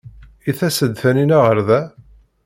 I tas-d Taninna ɣer da?